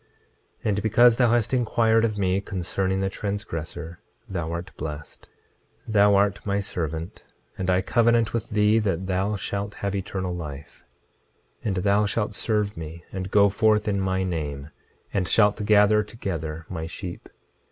26:19 And because thou hast inquired of me concerning the transgressor, thou art blessed. 26:20 Thou art my servant; and I covenant with thee that thou shalt have eternal life; and thou shalt serve me and go forth in my name, and shalt gather together my sheep.